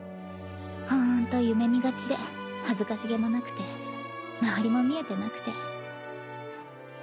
ほんと夢見がちで恥ずかしげもなくて周りも見えてなくて。